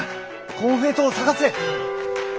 コンフェイトを探せ。